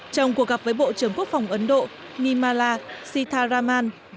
trong cuộc gặp với bộ trưởng quốc phòng ấn độ nirmala sitharaman